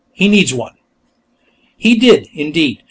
He needs one." He did, indeed.